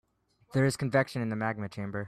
There is convection in the magma chamber.